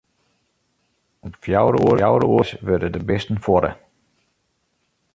Om fjouwer oere middeis wurde de bisten fuorre.